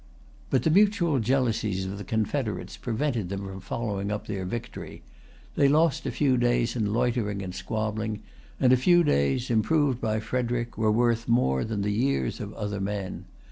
But the mutual jealousies of the confederates prevented[Pg 324] them from following up their victory. They lost a few days in loitering and squabbling; and a few days, improved by Frederic, were worth more than the years of other men.